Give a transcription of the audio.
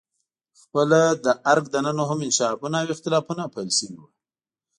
خپله د درګ دننه هم انشعابونه او اختلافونه پیل شوي وو.